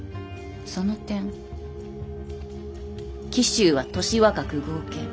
その点紀州は年若く剛健。